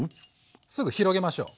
すぐ広げましょう。